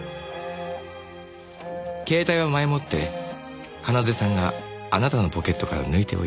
携帯は前もって奏さんがあなたのポケットから抜いておいた。